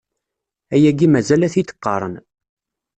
Ayagi mazal a t-id-qqaren.